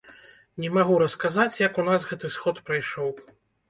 Не магу расказаць, як у нас гэты сход прайшоў.